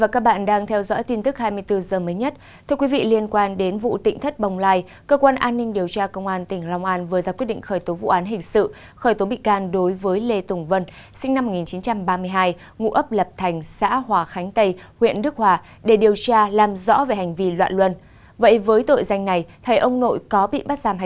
cảm ơn các bạn đã theo dõi